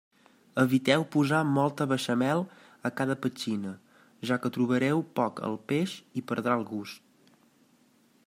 Eviteu posar molta beixamel a cada petxina, ja que trobareu poc el peix i perdrà el gust.